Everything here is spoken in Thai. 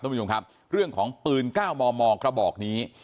คุณผู้ชมครับเรื่องของปืน๙มมกระบอกนี้